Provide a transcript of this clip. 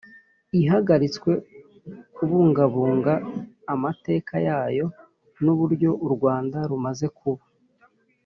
ihagaritswe kubungabunga amateka yayo n uburyo u Rwanda rumaze kuba